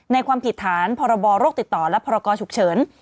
ความผิดฐานพรบโรคติดต่อและพรกรฉุกเฉิน